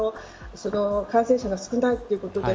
感染者が少ないということで。